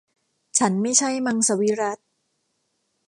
ฉันไม่ใช่มังสวิรัติ